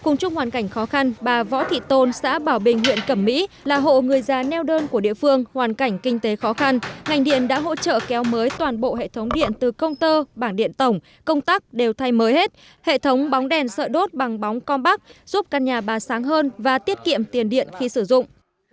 cùng chung hoàn cảnh khó khăn bà võ thị tôn xã bảo bình huyện cẩm mỹ là hộ người già neo đơn của địa phương hoàn cảnh kinh tế khó khăn ngành điện đã hỗ trợ kéo mới toàn bộ hệ thống điện từ công tơ bảng điện tổng công tắc đều thay mới hết hệ thống bóng đèn sợi đốt bằng bóng compac giúp căn nhà ba sáng hơn và tiết kiệm tiền điện khi sử dụng